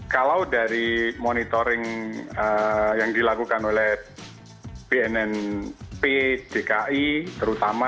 kalau dari monitoring yang dilakukan oleh bnnp dki terutama